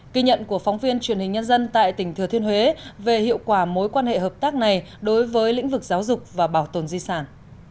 kỳ nhận của phóng viên truyền hình nhân dân tại tỉnh thừa thiên huế về hiệu quả mối quan hệ hợp tác này đối với lĩnh vực giáo dục và bảo tồn di sản